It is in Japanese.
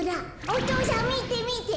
お父さんみてみて！